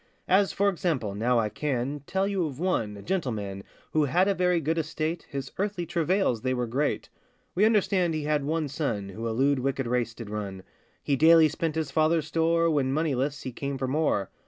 As, for example, now I can Tell you of one, a gentleman, Who had a very good estate, His earthly travails they were great. We understand he had one son Who a lewd wicked race did run; He daily spent his father's store, When moneyless, he came for more.